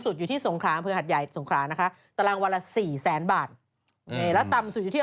อันนี้เราพอซื้อได้